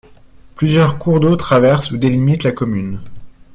Plusieurs cours d'eau traversent ou délimitent la commune.